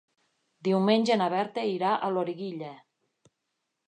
Diumenge na Berta irà a Loriguilla.